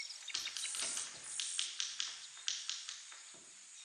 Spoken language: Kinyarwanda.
Izina icyicaro ifasi umuryango